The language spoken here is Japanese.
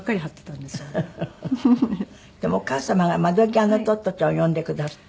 でもお母様が『窓ぎわのトットちゃん』を読んでくだすって。